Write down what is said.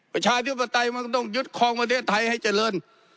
ประชาธิปไตยมันก็ต้องยึดคลองประเทศไทยให้เจริญ